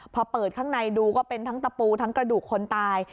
พอเปิดข้างในดูก็เป็นทั้งตะปูทั้งกระดูกคนตาย